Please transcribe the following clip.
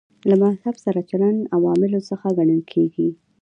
له مذهب سره چلند عواملو څخه ګڼل کېږي.